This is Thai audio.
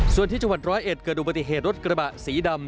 ส่วนที่จังหวัดร้อยเอ็ดเกิดอุบัติเหตุรถกระบะสีดำ